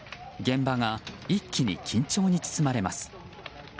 現場が一気に緊張に包まれます。